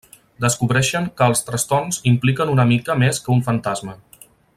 Descobreixen que els trastorns impliquen una mica més que un fantasma.